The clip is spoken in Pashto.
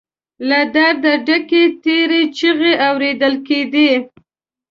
له درده ډکې تېرې چيغې اورېدل کېدې.